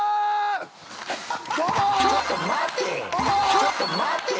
「ちょっと待てぃ‼」